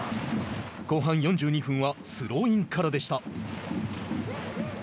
後半４２分はスローインからでした。